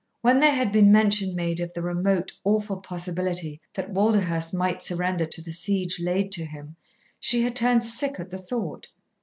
When there had been mention made of the remote, awful possibility that Walderhurst might surrender to the siege laid to him, she had turned sick at the thought.